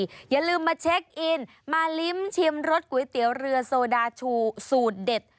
อย่าลืมมาเช็คอินมาลิ้มชิมรสก๋วยเตี๋ยวเรือโซดาชูสูตรเด็ด